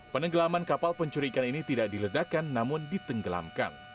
penenggelaman kapal pencurian ikan ini tidak diledakan namun ditenggelamkan